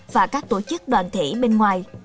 và các tổ chức đoàn thể bên ngoài